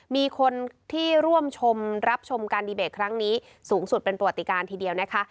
มีคนที่ร่วมชมรับชมการดีเบตครั้งนี้สูงสุดเป็นประวัติการทีเดียวนะคะ